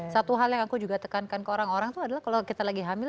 satu hal yang aku juga tekankan ke orang orang tuh adalah kalau kita lagi hamil